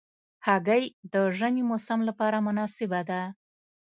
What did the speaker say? هګۍ د ژمي موسم لپاره مناسبه ده.